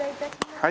はい。